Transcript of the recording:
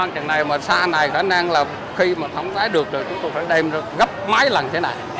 chẳng này mà xa này khả năng là khi mà thống tái được rồi chúng tôi phải đem ra gấp máy lần thế này